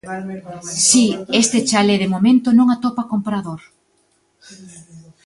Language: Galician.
Si, este chalé de momento non atopa comprador.